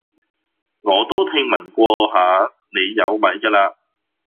我都聽聞過下你有米㗎喇